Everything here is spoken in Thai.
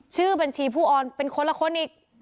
ชื่อบัญชีผู้ออนเป็นคนละคนอีก